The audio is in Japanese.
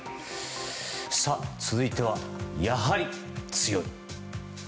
続いては、やはり強い。